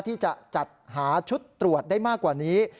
ที่จะจัดหาชุดตรวจได้มากกว่านี้